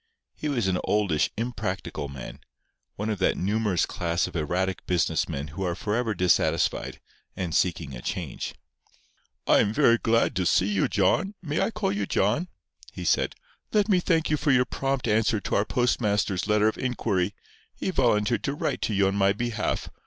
He was an oldish, impractical man—one of that numerous class of erratic business men who are forever dissatisfied, and seeking a change. "I am very glad to see you, John—may I call you John?" he said. "Let me thank you for your prompt answer to our postmaster's letter of inquiry. He volunteered to write to you on my behalf.